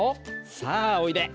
さあおいで！